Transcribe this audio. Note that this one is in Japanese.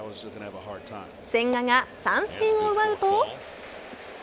千賀が三振を奪うと。